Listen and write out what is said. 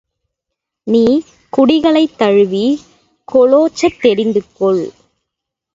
நீ குடிகளைத் தழுவிக் கோலோச்சத் தெரிந்துகொள்!